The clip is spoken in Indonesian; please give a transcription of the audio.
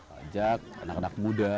aku ajak anak anak muda